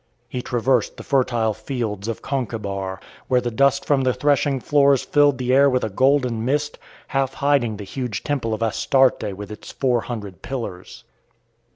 He traversed the fertile fields of Concabar, where the dust from the threshing floors filled the air with a golden mist, half hiding the huge temple of Astarte with its four hundred pillars.